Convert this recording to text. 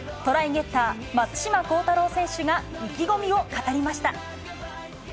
ゲッター、松島幸太朗選手が意気込みを語りました。